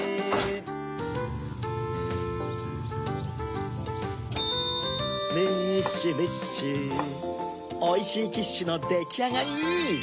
チンムッシュムッシュおいしいキッシュのできあがり！